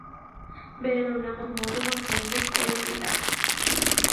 ބޭނުން ނަމަ ހުވަނދުމާ ފެން ވެސް އެޅުއްވިދާނެ